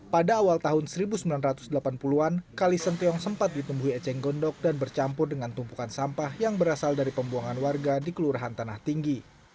pada awal tahun seribu sembilan ratus delapan puluh an kalisentiong sempat ditumbuhi eceng gondok dan bercampur dengan tumpukan sampah yang berasal dari pembuangan warga di kelurahan tanah tinggi